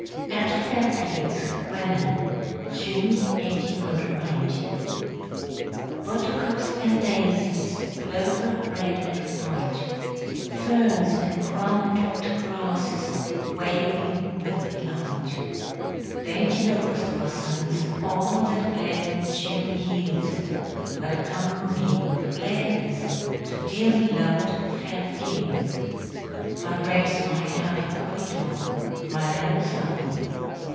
_ AT FAIRFIELDS[A], WENHAM. June, 1890. Buttercups and daisies, Clover red and white, Ferns and crown topped grasses Waving with delight, Dainty locust blossoms, All that glad June yields, Welcome me with gladness To dearly loved "Fairfields." But where's my happy collie dog, My Rosa?